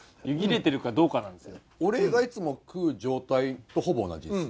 俺がいつも食う状態とほぼ同じです。